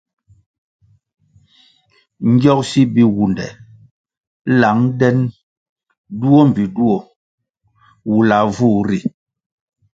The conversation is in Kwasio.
Ngyogsi biwunde lang den duo mbpi duo wulavu ri.